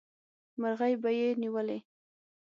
مرغۍ به یې نیولې.